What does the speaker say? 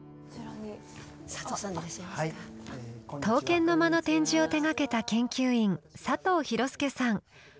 刀剣の間の展示を手がけた研究員佐藤寛介さん。